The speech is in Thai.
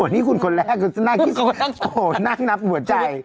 นี่คุณคนแรกนั่งนับหัวใจ